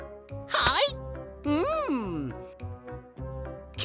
はい！